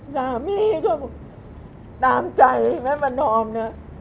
สามีก็ตามใจแม่มานอมนะ